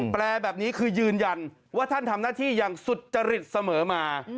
แปลแบบนี้คือยืนยันว่าท่านทำหน้าที่อย่างสุจริตเสมอมา